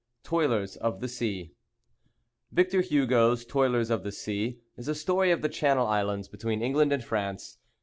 TOILERS OF THE SEA Victor Hugo's "Toilers of the Sea" is a story of the Channel Islands between England and France.